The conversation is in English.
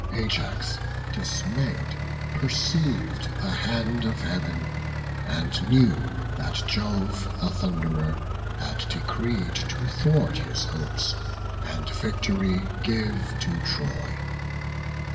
Ajax, dismayed, perceived the hand of Heaven, And knew that Jove the Thunderer had decreed To thwart his hopes, and victory give to Troy.